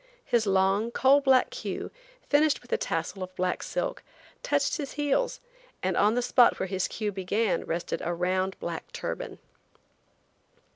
His long, coal black queue, finished with a tassel of black silk, touched his heels, and on the spot where the queue began rested a round black turban.